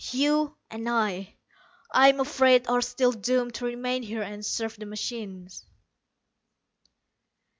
You and I, I'm afraid, are still doomed to remain here and serve the machines."